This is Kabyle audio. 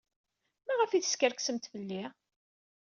Maɣef ay teskerksemt fell-i?